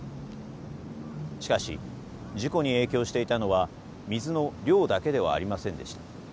しかし事故に影響していたのは水の量だけではありませんでした。